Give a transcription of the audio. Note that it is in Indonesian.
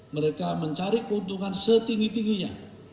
mereka mencari keuntungan setinggi tingginya